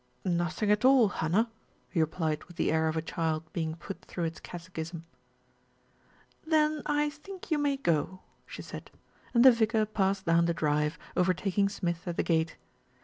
"Nothing at all, Hannah," he replied with the air of a child being put through its catechism. "Then I think you may go," she said, and the vicar passed down the drive, overtaking Smith at the gate.